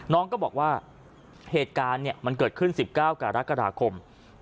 น้องก็บอกว่าเหตุการณ์มันเกิดขึ้น๑๙กรกฎาคม